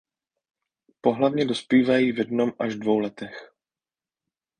Pohlavně dospívají v jednom až dvou letech.